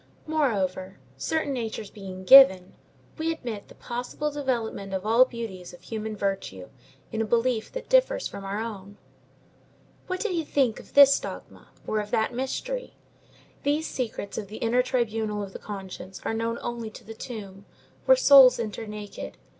Moreover, certain natures being given, we admit the possible development of all beauties of human virtue in a belief that differs from our own. What did he think of this dogma, or of that mystery? These secrets of the inner tribunal of the conscience are known only to the tomb, where souls enter naked.